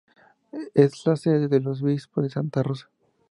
Es la sede del obispo de Santa Rosa.